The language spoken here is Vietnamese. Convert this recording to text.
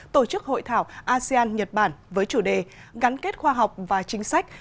tổ chức hội thảo asean nhật bản với chủ đề gắn kết khoa học và chính sách